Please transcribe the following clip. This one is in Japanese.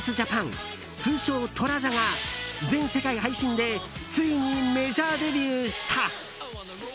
通称トラジャが全世界配信でついにメジャーデビューした！